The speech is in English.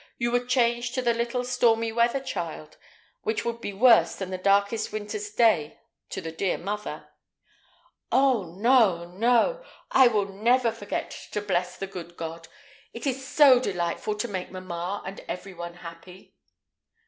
you would change to the little stormy weather child, which would be worse than the darkest winter's day to the dear mother." "Oh! no, no! I will never forget to bless the good God. It is so delightful to make mamma and every one happy."